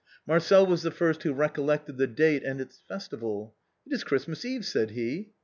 Marcel was the first who recollected the date and its festival. " It is Christmas Eve," said he.